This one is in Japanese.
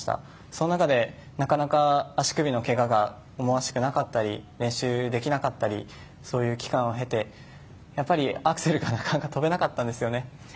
その中でなかなか足首のけががおもわしくなかったり練習できなかったりそういう期間を経てやっぱりアクセルがなかなか跳べなかったんですよね。